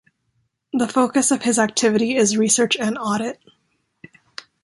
The focus of his activity is research and audit.